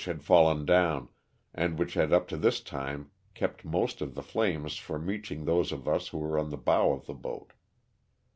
had fallen down, and which had up to this time kept most of the flames from reaching those of us who were on the bow of the boat.